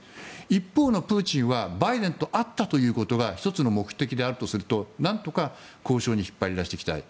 一方のプーチンはバイデンと会ったということが１つの目的であるとするとなんとか交渉に引っ張り出してきたい。